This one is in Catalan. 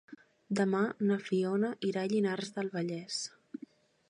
Demà na Fiona irà a Llinars del Vallès.